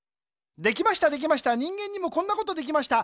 できましたできました人間にもこんなことできました。